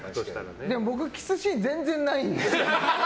僕、キスシーン全然ないんで。